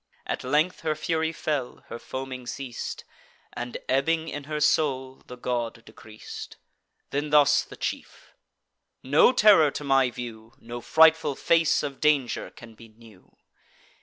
At length her fury fell, her foaming ceas'd, And, ebbing in her soul, the god decreas'd. Then thus the chief: "No terror to my view, No frightful face of danger can be new.